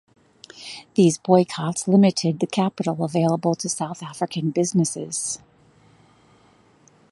These boycotts limited the capital available to South African businesses.